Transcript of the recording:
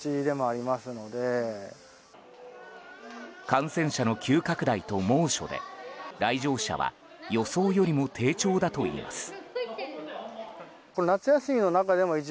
感染者の急拡大と猛暑で来場者は予想よりも低調だといいます。